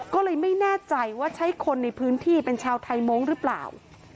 ก็เลยไม่แน่ใจว่าใช่คนในพื้นที่เป็นชาวไทยมงค์หรือเปล่า